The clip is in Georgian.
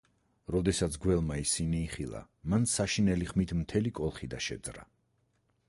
როდესაც გველმა ისინი იხილა, მან საშინელი ხმით მთელი კოლხიდა შეძრა.